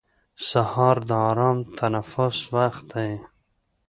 سهار د ارام تنفس وخت دی.